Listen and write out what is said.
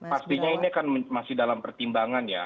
pastinya ini akan masih dalam pertimbangan ya